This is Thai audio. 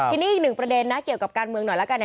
ทีนี้อีกหนึ่งประเด็นนะเกี่ยวกับการเมืองหน่อยแล้วกัน